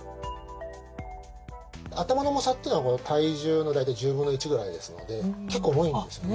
頭の重さってのは体重の大体１０分の１ぐらいですので結構重いんですよね。